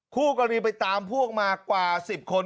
คู่กรณีไปตามพวกมากว่า๑๐คน